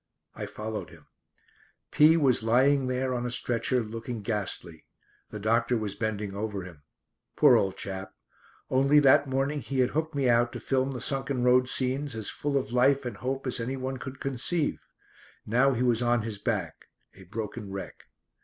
I followed him. P was lying there on a stretcher looking ghastly. The doctor was bending over him. Poor old chap. Only that morning he had hooked me out to film the sunken road scenes as full of life and hope as anyone could conceive. Now he was on his back, a broken wreck.